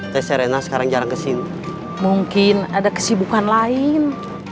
t serena sekarang jarang kesini mungkin ada kesibukan lain